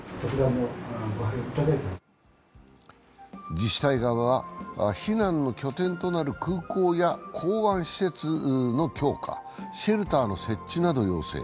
自治体側は避難の拠点となる空港や港湾施設の強化、シェルターの設置などを要請。